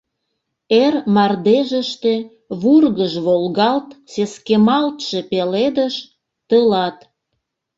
Эр мардежыште вургыж-волгалт Сескемалтше пеледыш — тылат!